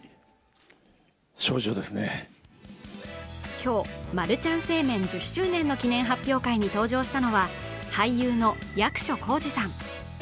今日、マルちゃん正麺１０周年の記念発表会に登場したのは俳優の役所広司さん。